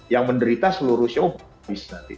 yang menderita seluruh showbiz nanti